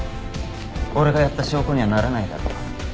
俺がやった証拠にはならないだろ？